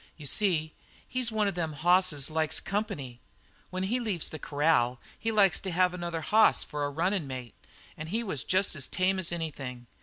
You see, he's one of them hosses that likes company. When he leaves the corral he likes to have another hoss for a runnin' mate and he was jest as tame as anything.